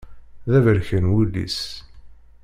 D aberkan wul-is.